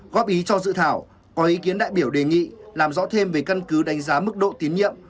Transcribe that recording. góp ý cho dự thảo có ý kiến đại biểu đề nghị làm rõ thêm về căn cứ đánh giá mức độ tiến nhiệm